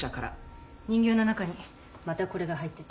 人形の中にまたこれが入ってた。